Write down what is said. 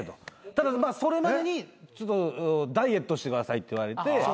ただそれまでにダイエットしてくださいって言われて。